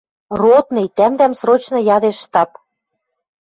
«Ротный, тӓмдӓм срочно ядеш штаб!»